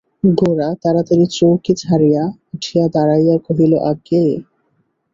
গোরা তাড়াতাড়ি চৌকি ছাড়িয়া উঠিয়া দাঁড়াইয়া কহিল, আজ্ঞে!